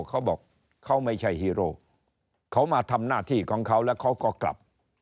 เขาบอกเขาไม่ใช่ฮีโร่เขามาทำหน้าที่ของเขาแล้วเขาก็กลับ